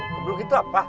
kebluk itu apa